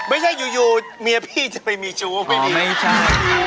ไม่ใช่อยู่เมียพี่จะไปมีชู้พี่ไม่ใช่